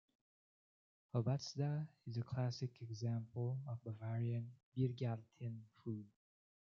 "Obatzda" is a classic example of Bavarian "biergarten" food.